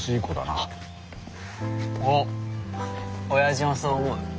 おっオヤジもそう思う？